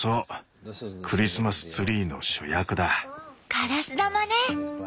ガラス玉ね！